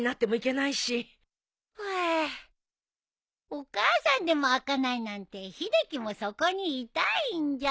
お母さんでも開かないなんて秀樹もそこにいたいんじゃ。